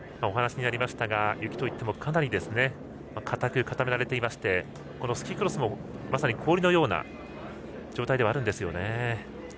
お話にありましたが雪といっても、かなりかたく固められていましてスキークロスも氷のような状態ではあるんですね。